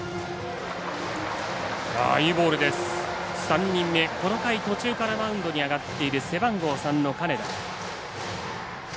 ３人目、この回途中からマウンドに上がっている背番号３の金田。